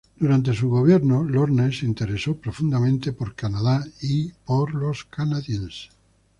Durante su gobierno, Lorne se interesó profundamente en Canadá y en los canadienses.